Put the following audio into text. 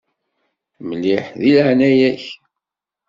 Mliḥ, di leɛnaya-k.